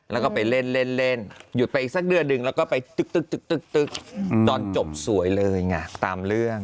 แล้วก็ไปเล่นเล่นหยุดไปอีกสักเดือนหนึ่งแล้วก็ไปตึ๊กตอนจบสวยเลยไงตามเรื่อง